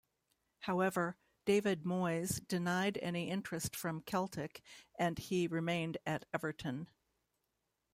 However, David Moyes denied any interest from Celtic and he remained at Everton.